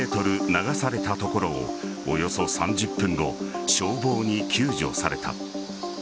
流されたところをおよそ３０分後消防に救助された。